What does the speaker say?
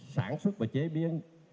sản xuất và chế biến